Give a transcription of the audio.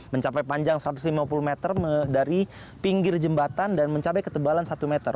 mencapai panjang satu ratus lima puluh meter dari pinggir jembatan dan mencapai ketebalan satu meter